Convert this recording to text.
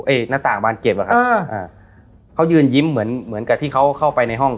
หน้าต่างบานเก็บอะครับอ่าอ่าเขายืนยิ้มเหมือนเหมือนกับที่เขาเข้าไปในห้อง